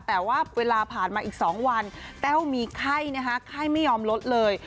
แต่ว่าเวลาผ่านมาอีก๒วันแต้วมีไข้นะคะไข้ไม่ยอมลดเลย